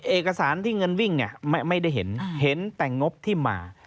เอกสารที่เงินวิ่งไม่ได้เห็นเห็นแต่งบที่มา